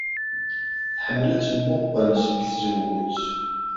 Tḥemmel ad temmuqqel seg tzewwut.